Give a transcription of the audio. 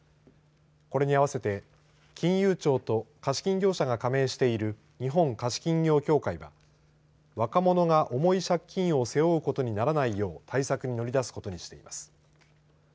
これに合わせて金融庁と貸金業社が加盟している日本貸金業協会は若者が重い借金を背負うことにならないよう対策に乗り出すことにしています。